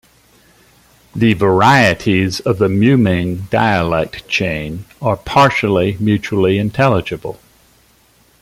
The varieties of the Mumeng dialect chain are partially mutually intelligible.